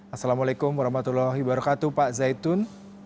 assalamualaikum warahmatullahi wabarakatuh pak zaitun